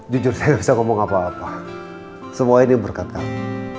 jujur saya ga bisa ngomong apa apa semuanya ini berkat kamu